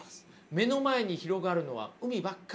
目の前に広がるのは海ばっかり。